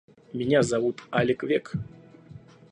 Меня зовут Алек Век.